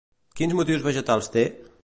Quins motius vegetals té?